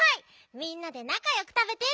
みんなでなかよくたべてって。